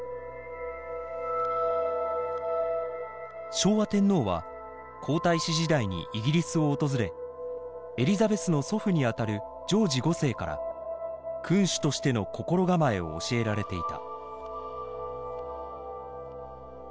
昭和天皇は皇太子時代にイギリスを訪れエリザベスの祖父にあたるジョージ５世から君主としての心構えを教えられていた。